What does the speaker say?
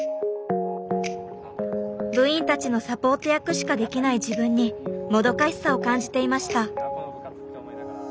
部員たちのサポート役しかできない自分にもどかしさを感じていました。